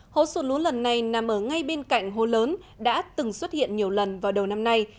hố sụt lún lần này nằm ở ngay bên cạnh hố lớn đã từng xuất hiện nhiều lần vào đầu năm nay